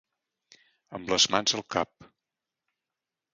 Amb les mans al cap.